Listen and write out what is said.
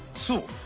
そう！